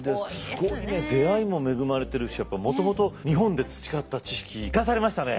すごいね出会いも恵まれてるしやっぱもともと日本で培った知識生かされましたね。